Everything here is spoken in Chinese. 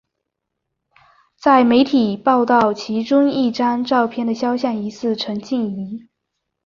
有媒体报道其中一张照片的肖像疑似陈静仪。